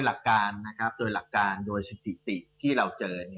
หลักการโดยสิจติที่เราเจอ